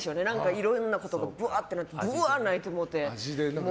いろんなことがぶわーってなってぶわー泣いてもうて。